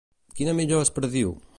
Quina millora es prediu?